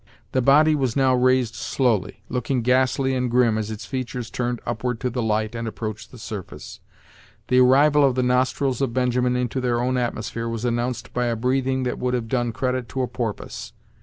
The body was now raised slowly, looking ghastly and grim as its features turned upward to the light and approached the surface. The arrival of the nostrils of Benjamin into their own atmosphere was announced by a breathing that would have done credit to a porpoise.